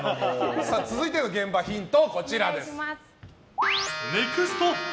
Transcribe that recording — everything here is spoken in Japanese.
続いての現場ヒントです。